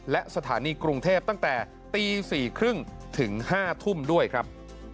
และสถานีกรุงเทพตั้งแต่ตี๔๓๐ถึง๕ทุ่มด้วยครับ